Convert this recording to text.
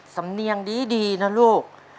สำเนียงดีนะลูก